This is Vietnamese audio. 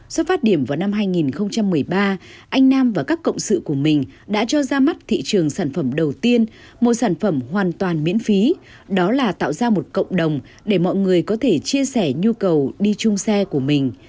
xuất phát điểm vào năm hai nghìn một mươi ba anh nam và các cộng sự của mình đã cho ra mắt thị trường sản phẩm đầu tiên một sản phẩm hoàn toàn miễn phí đó là tạo ra một cộng đồng để mọi người có thể chia sẻ nhu cầu đi chung xe của mình